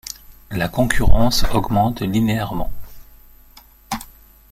La concurrence augmente linéairement.